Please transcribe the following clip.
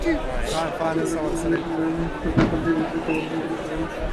সকাল নয়টার দিকে পুলিশের রেকার দিয়ে বিকল হওয়া যানগুলো সরিয়ে নেওয়া হয়।